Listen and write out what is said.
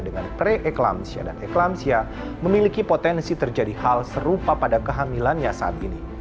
dengan preeklampsia dan eklampsia memiliki potensi terjadi hal serupa pada kehamilannya saat ini